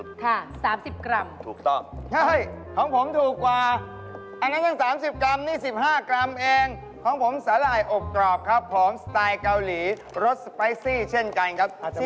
สไตล์เกาหลีรสสไปซี่เช่นกันครับ